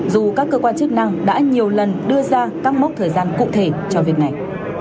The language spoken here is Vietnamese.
dù các cơ quan chức năng đã nhiều lần đưa ra các mốc thời gian cụ thể cho việc này